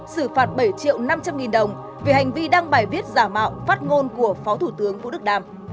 xử phạt bảy triệu năm trăm linh nghìn đồng vì hành vi đăng bài viết giả mạo phát ngôn của phó thủ tướng vũ đức đàm